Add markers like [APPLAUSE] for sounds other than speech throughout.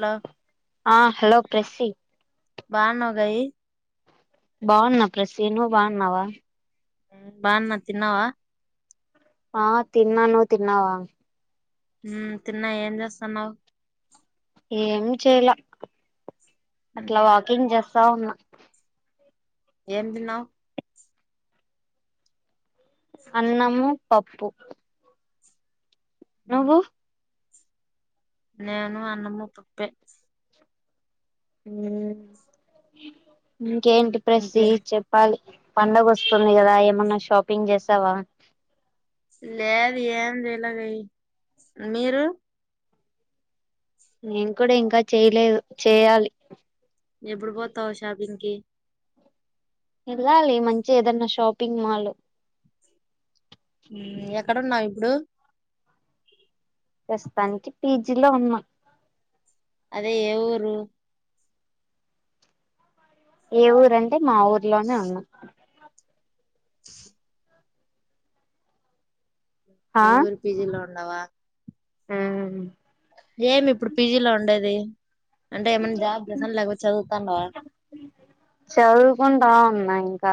Hello ఆ hello ప్రెస్సీ బాగునవ్ గయి బాగున్నా ప్రెస్సీ నువ్వు బాగున్నావా బాగున్నా తిన్నావా ఆ తిన్నా నువ్వు తిన్నావా హ్మ్ తిన్నా ఏం చేస్తాన్నావ్ ఏం చేయలా అట్లా వాకింగ్ జేస్త తా వున్నా ఏం తిన్నావ్ అన్నము పప్పు నువ్వు నేను అన్నము పప్పే హ్మ్ ఇంకేంటి ప్రెసీ ఇంకే చెప్పాలి పండగ వస్తుంది కదా ఏమన్నా షాపింగ్ చేసావా లేదు ఏం చెయ్యాలెదే మీరు నేను కూడా ఇంకా చేయలేదు చేయాలి ఎప్పుడు పోతావు షాపింగ్ కి వెళ్ళాలి మంచిగ ఏదన్నా షాపింగ్ మాల్ ఎక్కడున్నావ్ ఇప్పుడూ ప్రస్తుతానికి పీజిలో ఉన్నా అదే ఎ ఊరూ ఏ ఊరంటే మా ఊర్లోనే ఉన్నాం మే ఊరిపిజిలో ఉండవా హ్మ్ ఏమి ఇప్పుడు పీజీలో ఉండేది అ అంటే ఏమైన్నా జాబ్ చేసాను లేకపోతే చదువుతానువా చదువుకుంటా ఉన్నా ఇంకా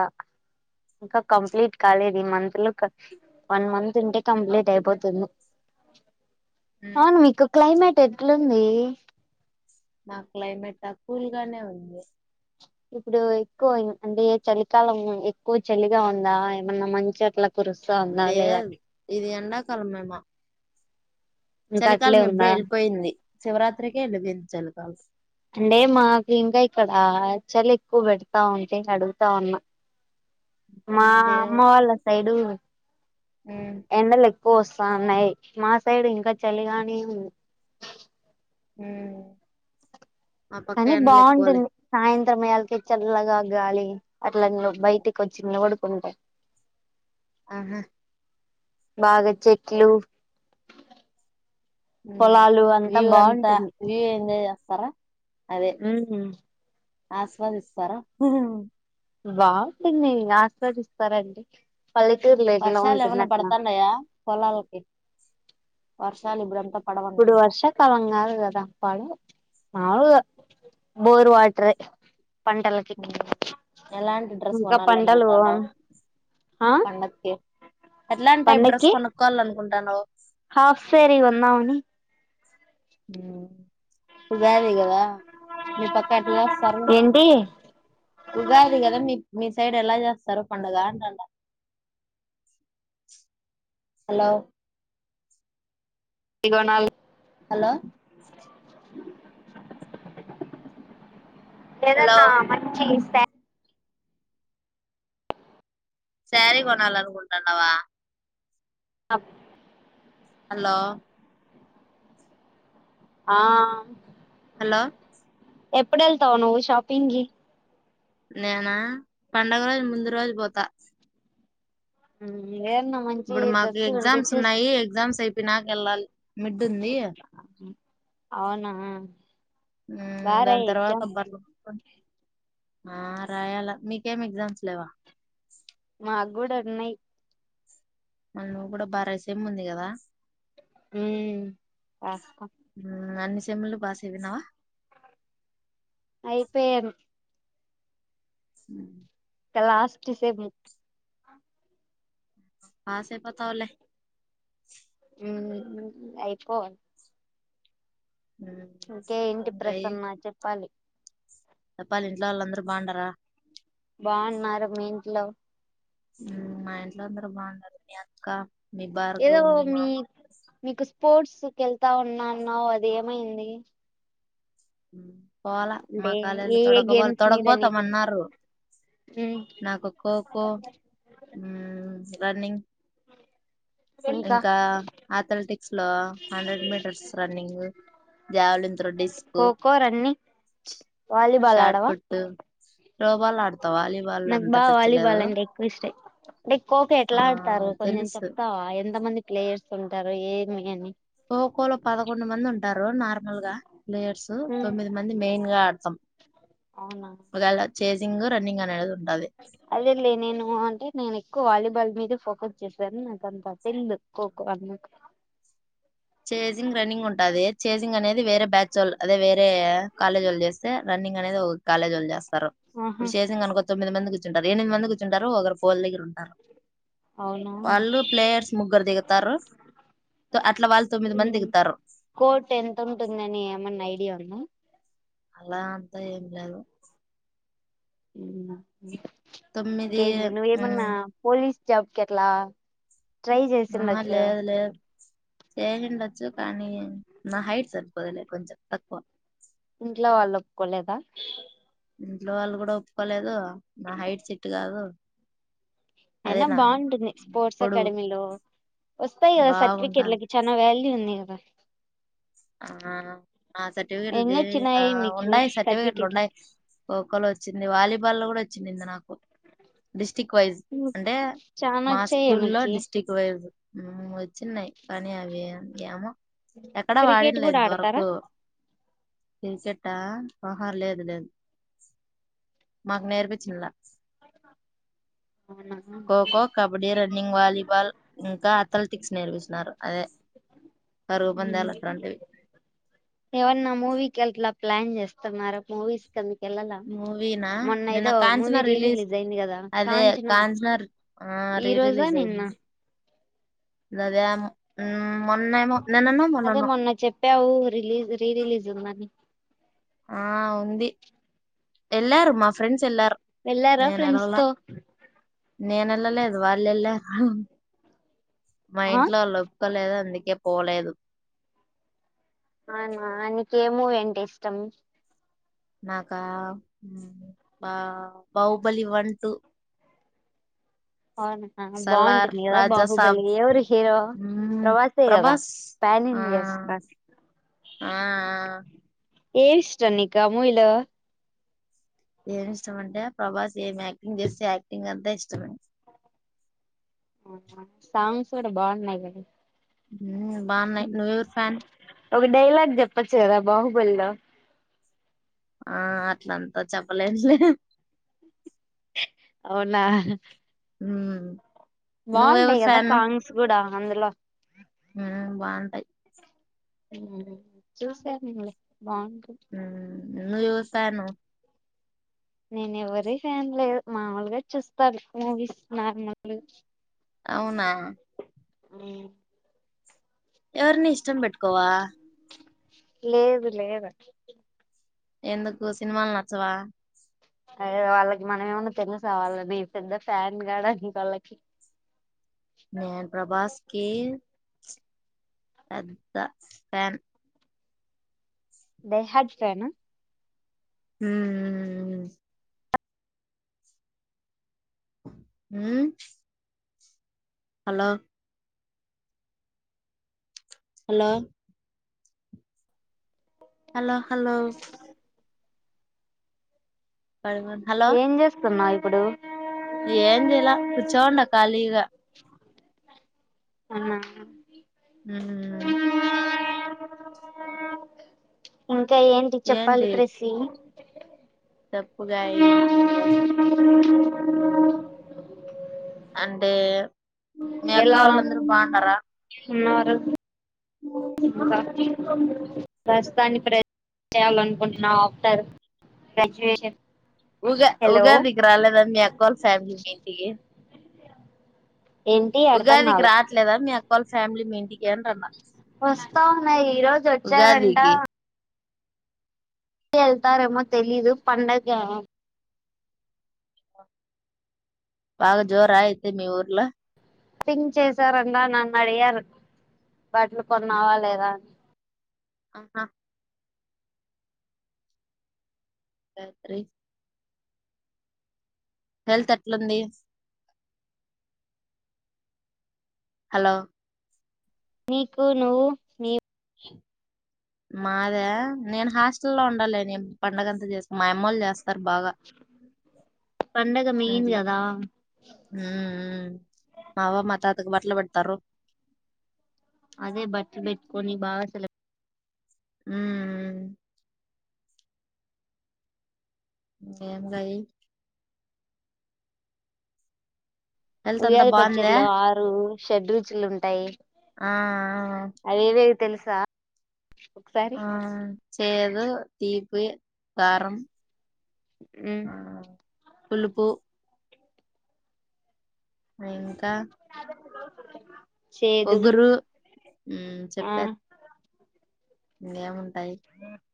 ఇంకా కంప్లీట్ కాలేది మంత్లు వన్ మంత్ ఉంటే కంప్లీట్ అయిపోతుంది అవును వికు క్లైమేట్ తెట్లుంది మా క్లైమేట్ కూల్ గానే ఉంది ఇప్పుడు ఎక్కువ అంటే చలికాలం ఎక్కువ చలిగా ఉందా ఏమన్నా మంచట్ల లేద్ ఇది ఎండాకాలమేమొ ఇంకా అట్లే చలికాలం ఎపుడో ఉందా ఎళ్పోయింది శివరాత్రికే ఏలిపోయింద్ చలికామ్స్ అంటే మాకు ఇంకా ఇక్కడ చలీ ఎక్కువ పెడతా ఉంటే అడుగుతా ఉన్నా మా అమ్మ వాళ్ళ సైడు ఆ పోస్తన్నాయి మా సైడు ఇంకా చలిగానీ ఉ హ కానీ బాగుంటుంది సాయంత్రం సమయానికే చల్లగా గాలి అట్లా బయటటికి వచ్చిడు నిలబడు ంట అవునాా బాగా చెట్లు పొలాలు వ్యూ అంతా బాగుంటుంది వ్యూ ఎంజాయ్ చేస్తారా అదే ఉమ్ ఆస్వాదిస్తారా వుంటుంది ఆస్వాదిస్తారంండి వర్షాలు ఏమైన్నా పడతండయ పొలాలకి వర్షాలు ఇపుడు అంత ఇప్పుడు వర్షకాలం కాదు కదా అప్పడు మావుగా బోర్ వాట్ర ఎలాంటి డ్రెస్ ఇంకా కొనాల పంటలు అనుకుంటున్నావు ఆ పండగకి ఎట్లాంటి టైప్ డ్రెస్ పండక్కి కొనుక్కోవాల అనుకుంటు న హాఫ్ సేరి వన్నావని మ్ ఉగాది కదా మీ పక్క ఎట్టా చేస్తారు ఏంటి ఉగాది కదా మీ మీ సైడ్ ఎలా చేస్తారు పండుగ అంటాండ హలో ఇగో నాలు హలో హలో ఏదన్నా మంచి ఇస్తే సారీ కొనాలి అనుకుంటున్నావా అప్ హలో ఆ హలో ఎప్పుడు వేళ్తావు నువ్వు షాపింగ్ కి నేనా పండుగ రోజు ముందు రోజు పోతా అ ఇప్పుడు మాకు ఎగ్జామ్స్ ఉన్నాయి ఎగ్జామ్స్ అయి పినాకల్లాల్ అవునా హు దాని బారాయి తర్వాత ఎగ్జామ్స్ కి బట్టలు కుట్టుకోని ఆ రాయాలా మీకేం ఎగ్జామ్స్ లేవా మాకు కూడా ఉన్నాయి మళ్ళా నువ్వు కూడా బాగారాయి సేమ్ ఉంది కదా హు రాస్తా సేమ్ లో బాగా చదివినవా అయిపోయాను హు ఇంకా లాస్ట్ సేమ్ పాస్ అయిపోతవులే హు అయిపో మ్మ్ ఇంకే ఏంటి ఇంకాయి ప్రసన్న చెప్పాలి చెప్పాలి ఇంట్లో వాళ్ళు అందరు బాగుండారా బాగున్నారు మీ ఇంట్లో మా ఇంట్లో అందరు బాగున్నారు మీ అక్క మీ ఏదో భార్గవ్ మీ మామ మీకు స్పోర్ట్స్ కి వెళ్తా అని అన్నావ్ అదేమైంది హు పోల మా కాలేజ్ లో ఏ ఏ తొడకపోలే గేమ్స్ మీద నీకు ఉమ్ తొడకపోతామన్నారు నాకు ఖో ఖో హు రన్నింగ్ ఇంకా అథ్లెటిక్స్ లో హండ్రెడ్ మీటర్స్ రన్నింగ్ దేవలింత డిస్క్ ఖోఖో రన్నింగ్ గ్ వాలీబాల్ షార్ట్ ఆడవా పుట్ త్రోబాల్ ఆడతా వాలీబాల్ నాకు అంత బాగా టచ్ లేదు వాలీబాల్ అంటే ఎక్కువ ఇష్టం, అంటే ఖోఖో ఎట్లా ఆ ఆడతారు కొంచెం తెలుసు చెప్తావా ఎంత మంది ప్లేయర్స్ ఉంటారు ఏ అగానే కోకో లో పదకొండు మంది ఉంటారు నార్మల్గా ప్లేయర్స్ ఉమ్ తొమ్మిది మంది మెయిన్ గార్డ్ స అవునా చేసింగ్ రన్నింగ్ అనినేదు అదే లే నేను అంటే నేను ఎక్కువ వాలీబాల్ మీదే ఫోకస్ చేశారు నాకు అంత అట్ంది ఖోఖో అన్నకు చేసింగ్ రన్నింగ్ ఉంటుది చేసింగ్ అనేది వేరే బ్యాచ్ వాళ్ళు అదే వేరే కాలేజ్ వాళ్లు చేస్తే రన్నింగ్ అనేది కాలేజ్ వాళ్ళు చేస్తారు ఆహా ఇప్పుడు చేసింది అనుకో తొమ్మిది మందికి టారు ఎనిమిది మంది కూర్చొంటారు ఒక ఫోల్ దగ్గర ఉన్ అవునా వాళ్ళు ప్లేయర్స్ ముగ్గురు దిగుతారు అట్లా వాళ్ళు తొమ్మిది మంది దిగుతారు కోట్ ఎంత ఉంటుందని ఏమన్నా ఐడియా ఉంద అలా అంతా ఏం లేదు మ్ తొమ్మిది ఇకేంటి నువేమన్నా ఉమ్, పోలీస్ జబ్ కేట్లా ట్రై చేసిండొచ్చు కదా చే ఎండచ్చ కానీ నా హైట్ సార్ ఇపోదలే కొంచెం తక్కువ ఇంట్లో వాళ్ళు ఒప్పుకోలేదా ఇంట్లో వాళ్ళు కూడా ఒప్పుకోలేదు నా హైట్ చెట్ కాదు అదే అయినా నా బాగుంటుంది, స్పోర్ట్స్ పొడువు అకాడమీలో వస్తాయి కదా బాగుంటాను సర్టిఫికెట్లకి చాలా వాల్యూ ఉంది. హా ఆ ఆ సర్టిఫికట్లు దే వచ్చినాయి మీకు ఉన్నాయి సర్టిఫికట్లు సర్టిఫికెట్లు ఉండయి తో వచ్చింది వాలీబాల్ కూడా వచ్చిందింది నాకు డిస్టిక్ వైజ్ అంటే చానా మా వచ్చాయా స్కూ లో మీకి డిస్టిక్ట్ వైజ్ వచ్చినినయి కానీ అవి ఏమో అడ క్రికెట్ వాడిలా కూడా ఆడతారా ఎంతవరకు ఇన్సేట్ట ఆహా లేదు లేదు మాకు నేర్పించిండ్లా అవునా ఖోఖో కబడ్డీ రన్నింగ్ వాలీబాల్ ఇంకా అథ్లెటిక్స్ నేర్పిచినారు అదే పరుగు పందాలు అట్లాంటివి ఏమన్నా మూవీకి అట్లా ప్లాన్ చేస్తున్నారా మూవీస్ కేల్ ఏళ్లల మూవీనా నిన్న మొన్నైదో మూవీ కాంచనా రీ రిలీజ్ అయింది కదా అదే కాంచనా కాంచర్ ఆ ఈ రీ రోజా రిలీజ్ నిన్న అయింది నాదేము అదే మొన్న చెప్పావు రిలీజ్ రీ రిలీజ్ ఉందని ఆ ఉంది ఎల్లారు మా ఫ్రెండ్స్ ఏల్లారు వెళ్ళారా నేన్ ఫ్రెండ్స్ వేలేలే తో నేనె వేలలేదు వాల్ వెలారు హ మా ఆ ఇంట్లో అలొపిక లేదు అందుకే గ పోలేదు అవునా నీకేమూవీ అంటే ఇష్టం నాకా బా బాహుబలి వన్ టూ అవునా సలార్ బాగుంటుంది కదా బాహుబలి రాజాసాబ్ ఎవరు హీరో మ్, ప్రభాసే కదా ప్రభాస్ ప్యాన్ ఆ ఇండియా స్టా ఆ ఏమిష్టం నిక్ ఆ మూవీ లో ఏమి ఇష్టం అంటే ప్రభాస్ ఏం యాక్టింగ్ చేస్తే యాక్టింగ్ అంతా ఇష్టమే సాంగ్స్ కూడా బాగున్నాయి కదు బాగున్నాయి నువ్ ఎవురు ఫ్యాన్ ఒక డైలాగ్ చెప్పోచ్చు కదా బాహుబలిలో ఆ అట్లంతా చెప్పలేంలే అవునా హ్మ్ బాగుంటాయి కదా సాంగ్స్ కూడా అందులో హ్మ్ బాగుంటాయి చూసానులే బాగుంటుంది హ్మ్ ను చూసాను నేను ఎవరి ఫ్యాన్ లేదు మామూలుగా చూస్తాను మూవీస్ నార్మలు అవునా హ్మ్ ఎవరిని ఇష్టం బేట్టుకోవా లేదు లేదు ఎందుకు సినిమాలు నచ్చవా అదేదో వాళ్ళకి మనం ఏమన్నానా తెలుస వాళ్ళకి పెద్ద ఫ్యాన్ గార్డ్ అని వాళ్ళకి నేన్ ప్రభాస్కి పెద్ద ఫాన్ డై హార్ట్ ఫాన్ ఆ హ్మ్ హు హలో హలో హలో హలో పడుకోండి ఏం చేస్తున్నాయ్ ఇప్పుడు ఏంచైల కుచోండా కాలీగ ఆ హు అ ఇంకా ఏంటి చెప్పాలి ప్రెస్సీ తప్పుగా ఎక్కువగా ఆ అంటే మీ అక్క ఎలా వాళ్ళందరూ బాగుండారా ఉన్నరు [UNINTELLIGIBLE] రాస్థాని ప్ర చేయాలనుకుంటున్నా ఆఫటర్ గ్రాజ్యుయేషన్ ఉగా ఉగాదికి రాలేదా మీ అక్కోల్ల ఫ్యామిలీ మీ ఇంటికి ఏంటి అర్థం ఉగాదికి కాల రాట్లేదా మీ అ వాళ్ళ ఫ్యామిలీ మీ ఇంటికి అంటున్న వస్తా అన్నాయి ఈ రోజు వచ్చారంట ఉగాదికి వెళ్తారేమో తెలీదు పండగ బాగా జోర అయితే మీ ఊర్ల పింగ్ చేసారందా నన్నడి గారు బట్లు కొన్నా వా లేదా అని అహా గాయత్రీ హెల్త్ ఎట్లుంది హలో నీకు నువ్వు నీ మాదా నేను హాస్టల్ లో ఉండాలే నే పండుగంతా చేస్తా మా అమ్మోళ్ళు చేస్ తర్ బాగా పండగ మెయిన్ ఇంట్ల కదా హ్మ్ మా అవ్వ మాతా అందరికి బట్లు పెడతారు అదే బట్టలు పెట్టుకని బా సెల ఉమ్మ్ దనంటయి హెల్త్ అంతా ఉగాది బాగుందా పచ్చడిలో ఆరు షెడ్ రుచులు ఉంటాయి ఆ అవేవేవి తెలుసా ఒకసారి ఆ చే అ త తీపు కారంారం ఉమ్, పూలుపుూ ఇంకా [INAUDIBLE] ఒగ్గురు హుమ్ ఆ చెప్పార్ ఇంగేమున్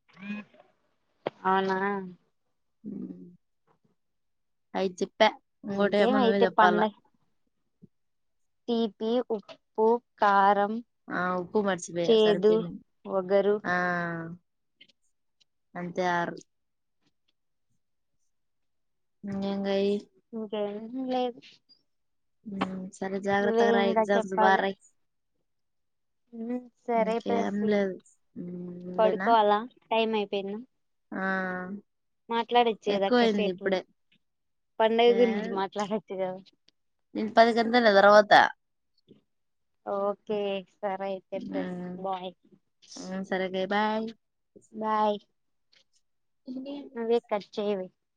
ల్... అవునా ఉమ్ ఐచప్ పె ఇంగోటేమో నువ్వే ఇంకేమైతే జెప్పాలా తీపీ ఉప్పు కారమ్ ఆ ఉప్పు మరిచ్పోయ సర్పోయిన్ది ఒగరు ఆ అంతే ఆరు ఇంగేగాయి ఇంకేమ్ లేద్ ఉమ్ సరే జాగ్రత్తగా రాయి ఎగ్జామ్స్ చెప్పాలి బారాయీ ఉమ్ సరే ఇంకేం ప్రేసీ లేదు పడుకోవలా టైం అయిపోయిన్దా హ మాట్లాడచ్చు కదా కాసేపు పండుగ ఏ, గురించి మాట్లాడొచ్చు కదా నేను పది గంటల తర్వాత ఓకే సరే అయితే బాయ్ బాయ్ బాయ్ బాయ్ చేయావే